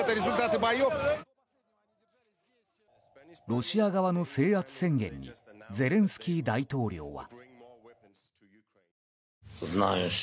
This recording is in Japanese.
ロシア側の制圧宣言にゼレンスキー大統領は。